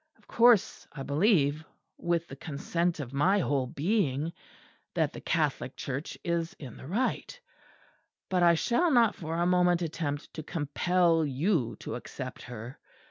Of course I believe, with the consent of my whole being, that the Catholic Church is in the right; but I shall not for a moment attempt to compel you to accept her.